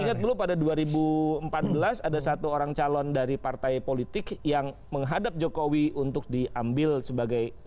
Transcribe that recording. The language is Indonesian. ingat dulu pada dua ribu empat belas ada satu orang calon dari partai politik yang menghadap jokowi untuk diambil sebagai